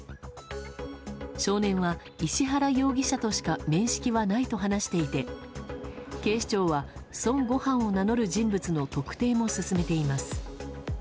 少年は、石原容疑者としか面識はないと話していて警視庁は孫悟飯を名乗る人物の特定も進めています。